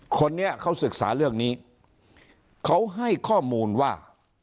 คนนี้เขาศึกษาเรื่องนี้เขาให้ข้อมูลว่า